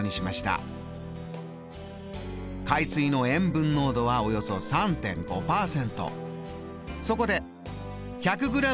海水の塩分濃度はおよそ３．５％。